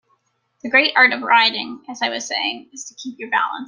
The great art of riding, as I was saying, is to keep your balance.